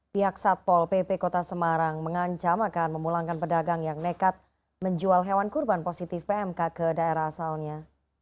pihak satpol pp kota semarang mengancam akan memulangkan pedagang yang nekat menjual hewan kurban positif pmk ke daerah asalnya